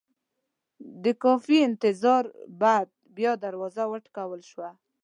د کافي انتظاره بعد بیا دروازه وټکول شوه.